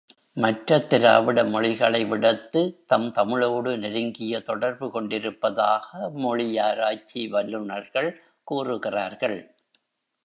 மற்ற திராவிட மொழிகளைவிடத் துதம் தமிழோடு நெருங்கிய தொடர்பு கொண்டிருப்பதாக மொழியாராய்ச்சி வல்லுநர்கள் கூறுகிறார்கள்.